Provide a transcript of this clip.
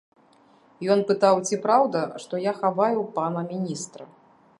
Ён пытаў, ці праўда, што я хаваю пана міністра.